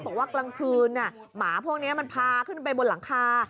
กลางคืนหมาพวกนี้มันพาขึ้นไปบนหลังคา